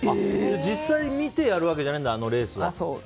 実際に見てやるわけじゃないんだ、レースは。